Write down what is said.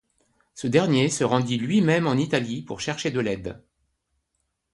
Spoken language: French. Ce dernier se rendit lui-même en Italie pour chercher de l’aide.